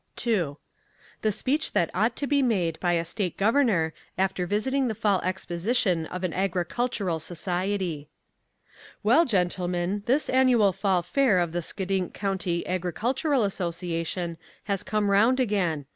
II THE SPEECH THAT OUGHT TO BE MADE BY A STATE GOVERNOR AFTER VISITING THE FALL EXPOSITION OF AN AGRICULTURAL SOCIETY Well, gentlemen, this Annual Fall Fair of the Skedink County Agricultural Association has come round again.